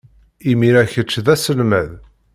Imir-a, kečč d aselmad.